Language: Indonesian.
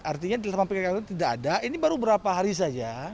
artinya di dalam ppkm darurat tidak ada ini baru beberapa hari saja